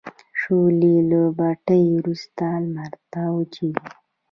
شولې له بټۍ وروسته لمر ته وچیږي.